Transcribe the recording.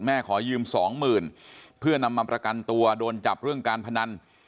แม่ขอยืม๒๐๐๐๐เพื่อนำมาประกันตัวโดนจับเรื่องการพนัน